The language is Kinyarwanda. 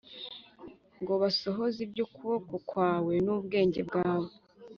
ngo basohoze ibyo ukuboko kwawe n ubwenge bwawe